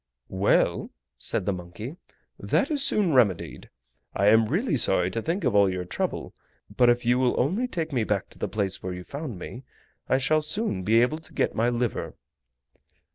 "Well," said the monkey, "that is soon remedied. I am really sorry to think of all your trouble; but if you will only take me back to the place where you found me, I shall soon be able to get my liver."